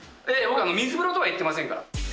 水風呂とは言ってませんから。